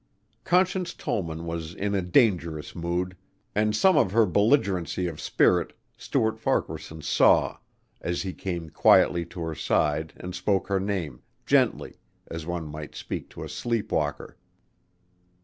Conscience Tollman was in a dangerous mood, and some of her belligerency of spirit Stuart Farquaharson saw as he came quietly to her side and spoke her name, gently, as one might speak to a sleep walker.